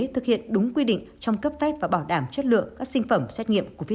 thực hiện đúng quy định trong cấp phép và bảo đảm chất lượng các sinh phẩm xét nghiệm covid một mươi